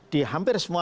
di hampir semua